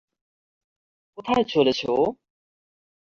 কোথায় চলেছে ও?